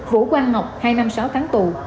vũ quang ngọc hai năm sáu tháng tù